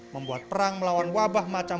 membuat perang melawan wabah macam